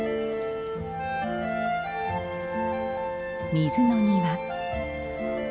水の庭。